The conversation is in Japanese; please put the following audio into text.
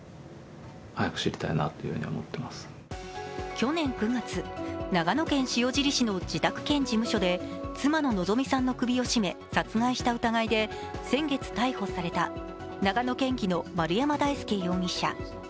去年９月、長野県塩尻市の自宅兼事務所で妻の希美さんの首を絞め殺害した疑いで先月逮捕された長野県議の丸山大輔容疑者。